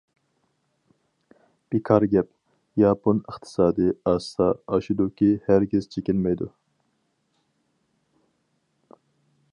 بىكار گەپ، ياپون ئىقتىسادى ئاشسا ئاشىدۇكى ھەرگىز چېكىنمەيدۇ.